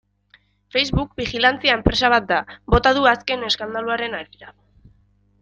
Facebook bijilantzia enpresa bat da, bota du azken eskandaluen harira.